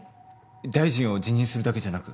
大臣を辞任するだけじゃなく？